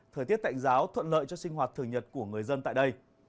thời tiết tạnh giáo thuận lợi cho sinh hoạt thường nhật của người dân tại đây